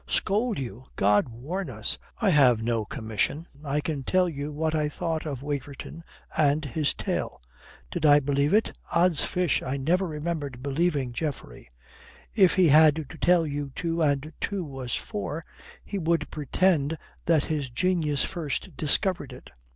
"Scold you! God warn us, I have no commission. I can tell you what I thought of Waverton and his tale. Did I believe it? Ods fish, I never remember believing Geoffrey. If he had to tell you two and two was four, he would pretend that his genius first discovered it.